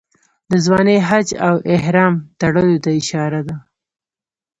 د ځوانۍ حج او احرام تړلو ته اشاره ده.